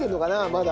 まだ。